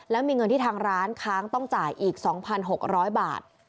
แล้วมีเงินที่ทางร้านค้างต้องจ่ายอีก๒๖๐๐บาท